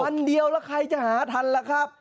วันเดียวแล้วใครจะหาทันล่ะครับ